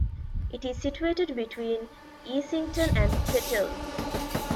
It is situated between Easington and Peterlee.